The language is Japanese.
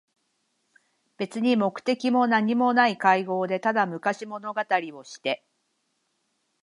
べつに目的もなにもない会合で、ただ昔物語りをして、